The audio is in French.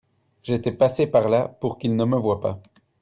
J'étais passé par là pour qu'il ne me voit pas.